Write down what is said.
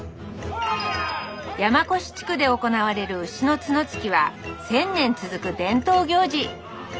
山古志地区で行われる牛の角突きは１，０００年続く伝統行事